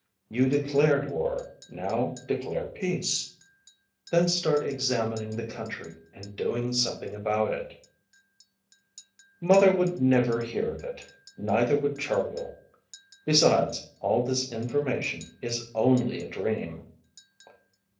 You declared war. Now declare peace. Then start examining the country and doing something about it." "Mother would never hear of it. Neither would Chargill. Besides, all this information is only a dream."